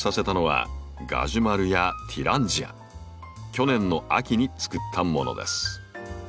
去年の秋につくったものです。